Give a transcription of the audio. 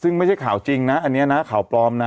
ซึ่งไม่ใช่ข่าวจริงนะอันนี้นะข่าวปลอมนะ